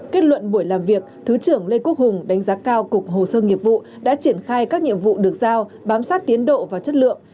kết luận buổi làm việc thứ trưởng lê quốc hùng đánh giá cao cục hồ sơ nghiệp vụ đã triển khai các nhiệm vụ được giao bám sát tiến độ và chất lượng